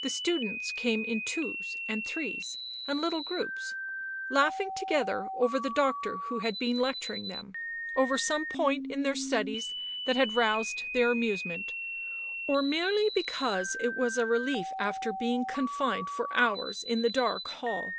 The students came in twos and threes and little groups, laughing together over the doctor who had been lecturing them, over some point in their studies that had roused their amusement, or merely because it was a relief after being confined for hours in the dark hall.